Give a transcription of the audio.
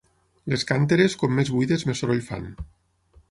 Les cànteres com més buides més soroll fan.